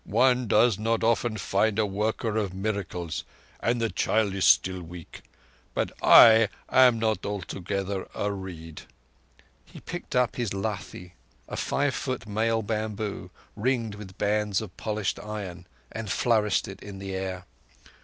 One does not often find a worker of miracles, and the child is still weak. But I am not altogether a reed." He picked up his lathi—a five foot male bamboo ringed with bands of polished iron—and flourished it in the air.